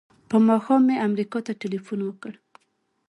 په ماښام مې امریکا ته ټیلفون وکړ.